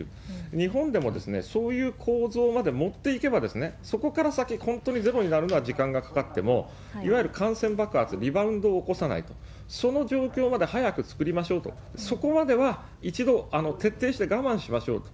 日本でもえそういう構造まで持っていけば、そこから先、本当にゼロになるのは時間がかかっても、いわゆる感染爆発、リバウンドを起こさないと、その状況まで早く作りましょうと、そこまでは一度、徹底して我慢しましょうと。